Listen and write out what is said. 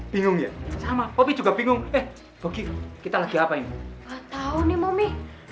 bingung ya sama popi juga bingung eh kita lagi apa ini tahu nih mami